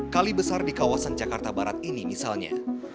kali besar di kawasan jakarta barat ini misalnya